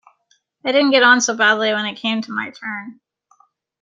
I didn’t get on so badly when it came to my turn.